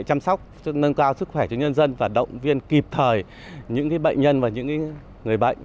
chăm sóc nâng cao sức khỏe cho nhân dân và động viên kịp thời những bệnh nhân và những người bệnh